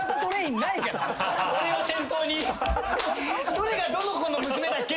どれがどの子の娘だっけ？